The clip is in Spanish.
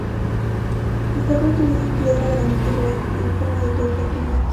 Está construida en piedra granito blanco, en forma de Cruz Latina.